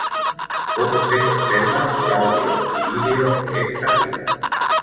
Poco se conserva de audio y video de esta Gira.